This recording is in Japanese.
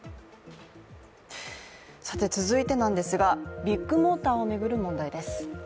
続いてなんですが、ビッグモーターを巡る問題です。